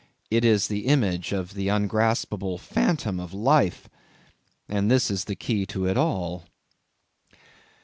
It is the image of the ungraspable phantom of life; and this is the key to it all.